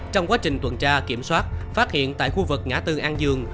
trong quá trình tuần tra kiểm soát phát hiện tại khu vực ngã tư an dương